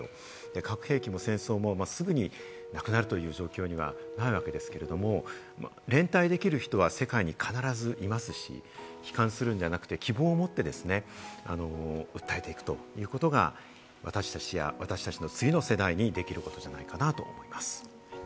核兵器も戦争も、すぐになくなるという状況にはないわけですけれども、連帯できる人は世界に必ずいますし、悲観するんじゃなくて、希望を持って訴えていくということが、私達や私達の次の世代にできることじゃないかなと思います。